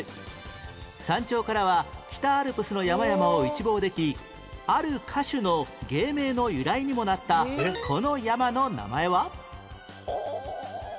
山頂からは北アルプスの山々を一望できある歌手の芸名の由来にもなったこの山の名前は？はあ！